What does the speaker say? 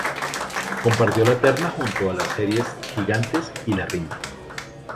Compartió la terna junto a las series: "Gigantes" y "La Riña".